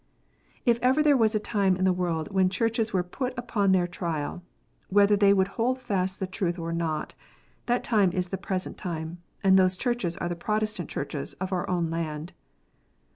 If ever there was a time in the world when Churches were put upon their trial, whether they would hold fast the truth or not, that time is the present time, and those Churches are the Protestant Churches of our own land.